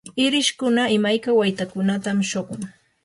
irishkuna imayka waytakunatam shuqun.